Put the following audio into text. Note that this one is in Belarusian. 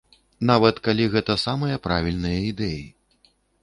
Нават калі гэта самыя правільныя ідэі.